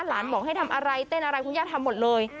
บอกให้ทำอะไรเต้นอะไรคุณย่าทำหมดเลย